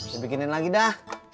dibikinin lagi dah